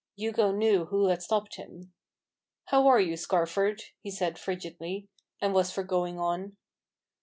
Hugo knew who had stopped him. " How are you, Scarford ?*' he said frigidly, and was for going on.